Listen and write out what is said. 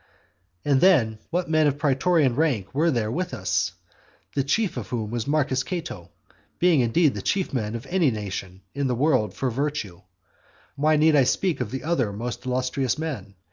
And then what men of praetorian rank were there with us! the chief of whom was Marcus Cato, being indeed the chief man of any nation in the world for virtue. Why need I speak of the other most illustrious men?